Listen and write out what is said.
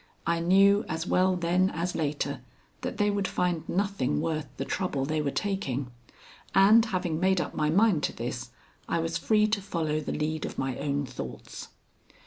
I knew, as well then as later, that they would find nothing worth the trouble they were taking; and, having made up my mind to this, I was free to follow the lead of my own thoughts.